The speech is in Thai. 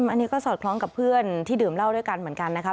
อันนี้ก็สอดคล้องกับเพื่อนที่ดื่มเหล้าด้วยกันเหมือนกันนะครับ